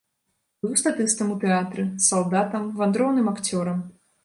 Быў статыстам у тэатры, салдатам, вандроўным акцёрам.